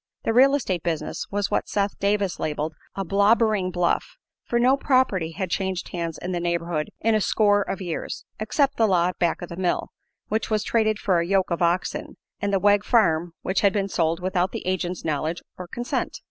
The "real estate business" was what Seth Davis labeled "a blobbering bluff," for no property had changed hands in the neighborhood in a score of years, except the lot back of the mill, which was traded for a yoke of oxen, and the Wegg farm, which had been sold without the agent's knowledge or consent.